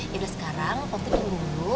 yaudah sekarang popi tidur dulu